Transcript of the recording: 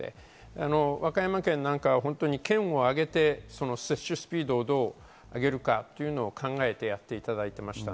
和歌山県なんかは県を挙げて接種スピードをどう上げるかを考えてやっていただいていました。